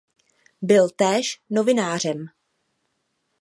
Byl též novinářem.